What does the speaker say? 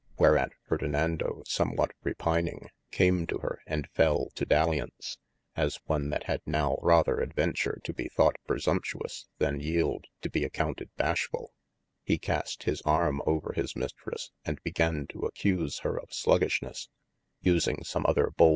Whereat Ferdinando somewhat repyning, came to her and fell to dalliaunce, as one that had nowe rather adventure to be thought presumptious than yeelde to be accompted bashfull, he cast his [a]rme over his Mistresse, and began to accuse hir of sluggishnes, using some other bolde G.